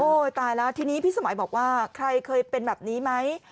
ตายแล้วทีนี้พี่สมัยบอกว่าใครเคยเป็นแบบนี้ไหม